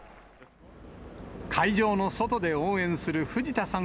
会場の外で応援する藤田さん